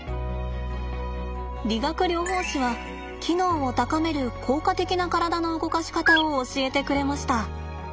理学療法士は機能を高める効果的な体の動かし方を教えてくれました。